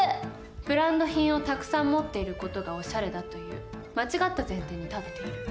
ブランド品をたくさん持っている事がオシャレだという間違った前提に立っている。